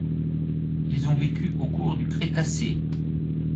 Ils ont vécu au cours du Crétacé.